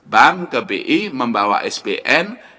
bank ke bi membawa sbn